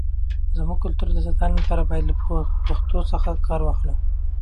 زموږ د کلتور د ساتنې لپاره، باید له پښتو څخه کار واخلو.